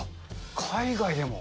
海外でも？